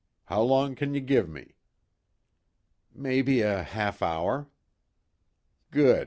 How long can you give me?" "Maybe a half hour." "Good.